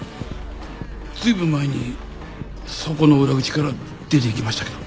ずいぶん前にそこの裏口から出ていきましたけど。